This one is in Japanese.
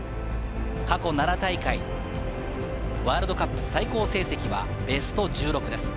過去７大会、ワールドカップ最高成績はベスト１６です。